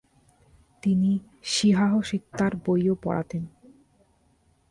তিনি সিহাহ সিত্তার বইও পড়াতেন।